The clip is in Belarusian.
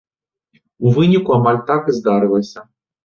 У выніку амаль так і здарылася.